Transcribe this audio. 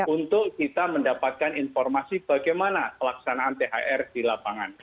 untuk kita mendapatkan informasi bagaimana pelaksanaan thr di lapangan